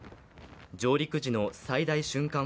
上陸時の最大瞬間